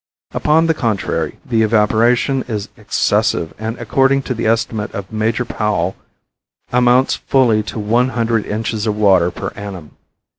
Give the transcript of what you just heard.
Upon the contrary the evaporation is excessive and according to the estimate of Major Powell amounts fully to one hundred inches of water per annum.